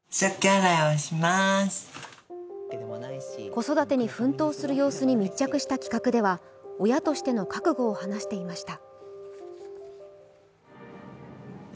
子育てに奮闘する様子に密着した企画では親としての覚悟を話していました。